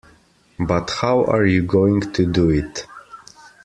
But how are you going to do it.